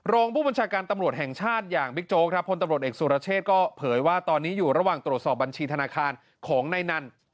รองผู้บัญชาการตำรวจแห่งชาติอย่างบิ๊กโจ๊กครับพลตำรวจเอกสุรเชษก็เผยว่าตอนนี้อยู่ระหว่างตรวจสอบบัญชีธนาคารของนายนัน